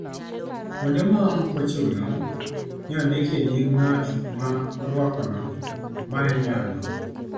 Kuonde ma ok ochuno ni ondikie nying' ng'at ma orwakono, ma inyalo